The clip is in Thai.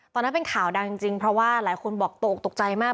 ตอนนั้นเป็นข่าวดังจริงเพราะว่าหลายคนบอกตกตกใจมาก